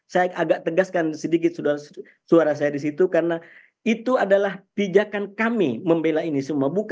saya agak tegaskan sedikit suara saya di situ karena itu adalah pijakan kami membela ini semua